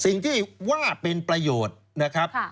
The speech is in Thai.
สิ่งที่ว่าเป็นประโยชน์นะครับ